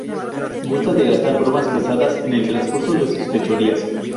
Gusta de gastar bromas pesadas en el transcurso de sus fechorías.